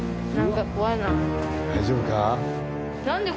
大丈夫か？